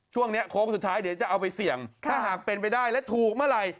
โค้งสุดท้ายเดี๋ยวจะเอาไปเสี่ยงถ้าหากเป็นไปได้และถูกเมื่อไหร่